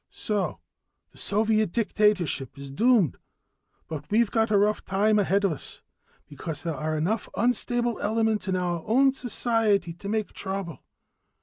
"So the Soviet dictatorship is doomed. But we've got a rough time ahead of us, because there are enough unstable elements in our own society to make trouble.